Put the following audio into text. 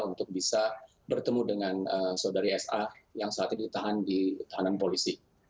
untuk bisa bertemu dengan saudari sa yang saat ini ditahan di tahanan polisi